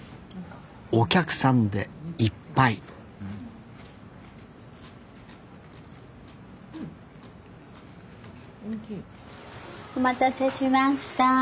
お客さんでいっぱいお待たせしました。